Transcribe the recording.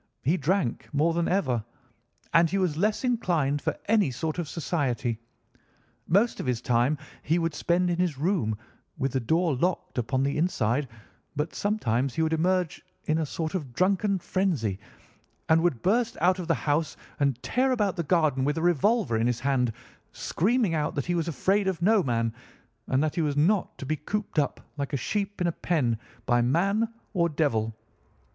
He drank more than ever, and he was less inclined for any sort of society. Most of his time he would spend in his room, with the door locked upon the inside, but sometimes he would emerge in a sort of drunken frenzy and would burst out of the house and tear about the garden with a revolver in his hand, screaming out that he was afraid of no man, and that he was not to be cooped up, like a sheep in a pen, by man or devil.